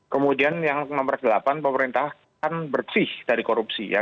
kemudian yang nomor delapan pemerintahan berkisih dari korupsi